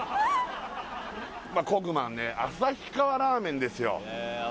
こぐまんね旭川ラーメンですよ